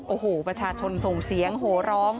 โอ้โหประชาชนส่งเสียงโหร้อง